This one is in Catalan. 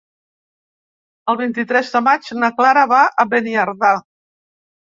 El vint-i-tres de maig na Clara va a Beniardà.